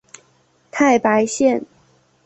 太白线